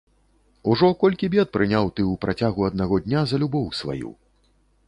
Ужо колькі бед прыняў ты ў працягу аднаго дня за любоў сваю.